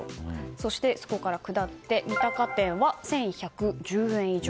そしてそこから下って三鷹店は１１００円以上。